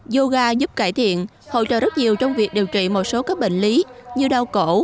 yoga giúp cải thiện hỗ trợ rất nhiều trong việc điều trị một số các bệnh lý như đau cổ